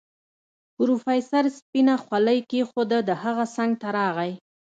پروفيسر سپينه خولۍ کېښوده د هغه څنګ ته راغی.